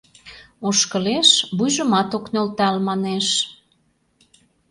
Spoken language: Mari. Ошкылеш, вуйжымат ок нӧлтал, манеш...